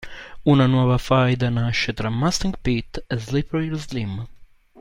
Una nuova faida nasce tra Mustang Pete e Slippery Slim.